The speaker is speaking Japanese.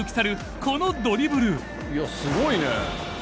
いやすごいね！